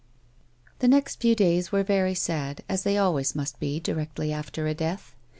The next few days were very sad, as they always must be directly after a death.